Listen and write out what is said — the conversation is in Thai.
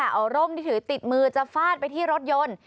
เอาร่มที่ถือติดมือจะฟาดไปที่รถยนต์